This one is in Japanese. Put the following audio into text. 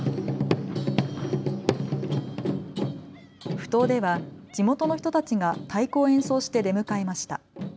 ふ頭では地元の人たちが太鼓を演奏して出迎えました。